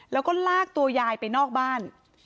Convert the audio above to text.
แล้วก็ลากตัวยายไปนอกบ้าน